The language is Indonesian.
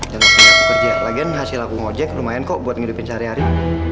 dan aku punya kerja lagian hasil aku ngojek lumayan kok buat ngidupin sehari hari